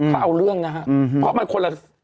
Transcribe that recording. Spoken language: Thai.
เขาเอาเรื่องนะฮะเพราะมันคนละ